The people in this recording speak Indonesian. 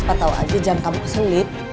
patau aja jangan kamu keselit